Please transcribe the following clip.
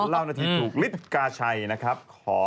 เล่านาทีถูกฤทธิกาชัยนะครับ